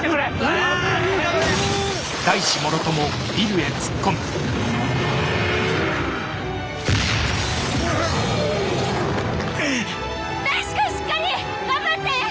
大志くんしっかり！頑張って！